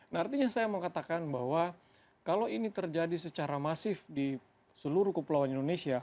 nah artinya saya mau katakan bahwa kalau ini terjadi secara masif di seluruh kepulauan indonesia